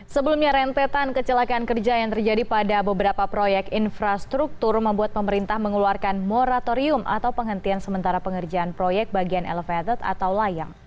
sebelumnya rentetan kecelakaan kerja yang terjadi pada beberapa proyek infrastruktur membuat pemerintah mengeluarkan moratorium atau penghentian sementara pengerjaan proyek bagian elevated atau layang